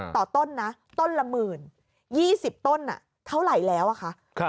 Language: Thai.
ต่อต้นนะต้นละหมื่น๒๐ต้นอ่ะเท่าไหร่แล้วอ่ะคะ